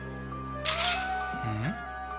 うん？